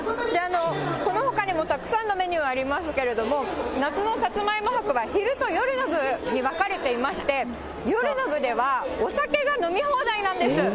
このほかにもたくさんのメニューありますけれども、夏のさつまいも博は昼と夜の部に分かれていまして、夜の部では、お酒が飲み放題なんです。